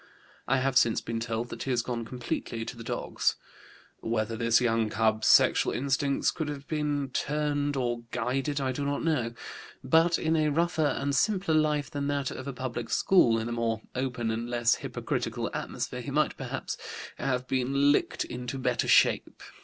I have since been told that he has gone completely to the dogs. Whether this young cub's sexual instincts could have been turned or guided I do not know; but in a rougher and simpler life than that of a public school, in a more open and less hypocritical atmosphere, he might, perhaps, have been licked into better shape.